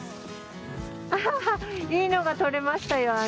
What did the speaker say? アハハいいのが撮れましたよ